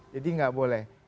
jadi nggak boleh